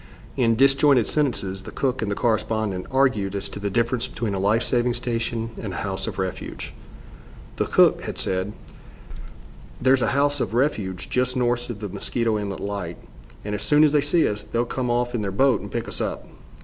In disjointed sentences the cook and the correspondent argued as to the difference between a life saving station and a house of refuge. The cook had said: "There's a house of refuge just north of the Mosquito Inlet Light, and as soon as they see us, they'll come off in their boat and pick us up."